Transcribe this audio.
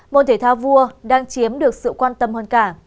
môn thể thao vua đang chiếm được sự quan tâm hơn cả